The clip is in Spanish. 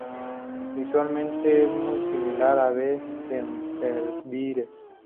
Visualmente es muy similar a "B. sempervirens".